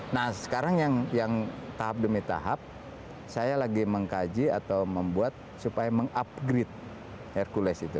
nah sekarang yang tahap demi tahap saya lagi mengkaji atau membuat supaya mengupgrade hercules itu